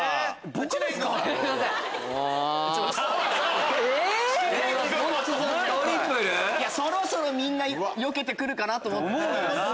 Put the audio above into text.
僕ですか⁉え⁉そろそろみんなよけて来るかなと思って。